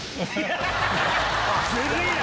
ずるいな！